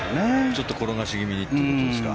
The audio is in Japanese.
ちょっと転がし気味にということですか。